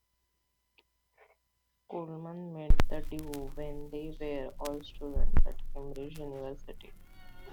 Colman met the duo when they were all students at Cambridge University.